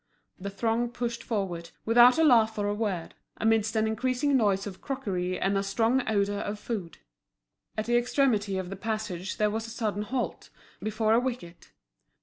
The throng pushed forward, without a laugh or a word, amidst an increasing noise of crockery and a strong odour of food. At the extremity of the passage there was a sudden halt, before a wicket.